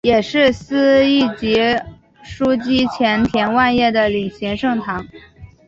也是司铎级枢机前田万叶的领衔圣堂。